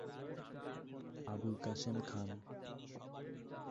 Abul Kashem Khan